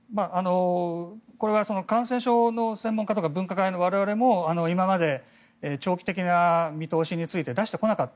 これは感染症の専門家とか分科会の我々も今まで、長期的な見通しについて出してこなかった。